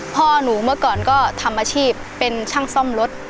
พ่อหนูเมื่อก่อนก็ทำอาชีพเป็นช่างซ่อมรถ